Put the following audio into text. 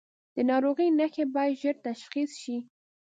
د ناروغۍ نښې باید ژر تشخیص شي.